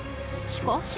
しかし